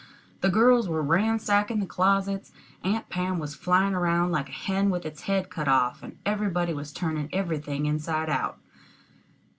The girls were ransacking the closets, Aunt Pam was flying around like a hen with its head cut off, and everybody was turning everything inside out.